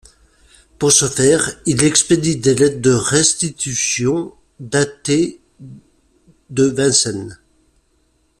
Pour ce faire, il expédie des lettres de restitution datées de Vincennes.